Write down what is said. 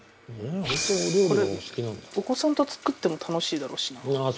これお子さんと作っても楽しいだろうしな。